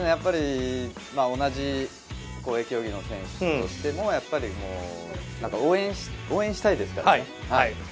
同じ競技の選手としても応援したいですね。